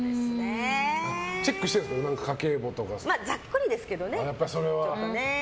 チェックしてるんですかざっくりですけどね。